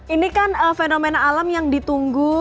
ini kan fenomena alam yang ditunggu